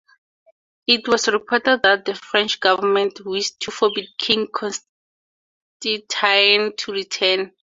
It was reported that the French government wished to forbid King Constantine to return.